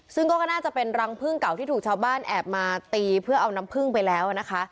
ซึ่งก็น่าจะเป็นรังพึ่งเก่าที่ถูกชาวบ้านแอบมาตีเพื่อเอาน้ำพึ่งไปแล้วนะคะ